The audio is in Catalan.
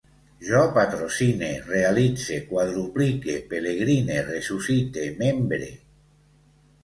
Jo patrocine, realitze, quadruplique, pelegrine, ressuscite, membre